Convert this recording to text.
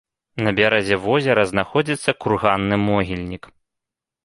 На беразе возера знаходзіцца курганны могільнік.